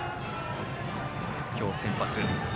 今日、先発。